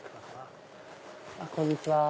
こんにちは。